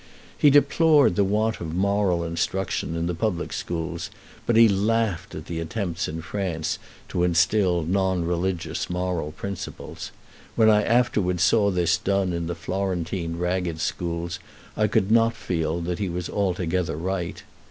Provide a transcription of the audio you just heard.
He deplored the want of moral instruction in the public schools, but he laughed at the attempts in France to instil non religious moral principles: when I afterwards saw this done in the Florentine ragged schools I could not feel that he was altogether right.